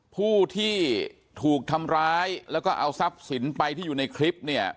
ผู้ที่ถูกทำร้ายแล้วก็เอาทรัพย์สินไปที่อยู่ในคลิปเนี่ย